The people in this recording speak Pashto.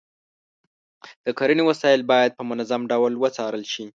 د کرنې وسایل باید په منظم ډول وڅارل شي.